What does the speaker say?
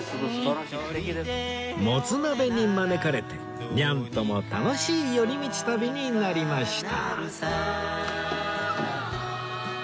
もつ鍋に招かれてにゃんとも楽しい寄り道旅になりました